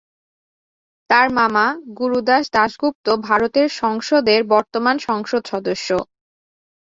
তার মামা গুরুদাস দাশগুপ্ত ভারতের সংসদের বর্তমান সংসদ সদস্য।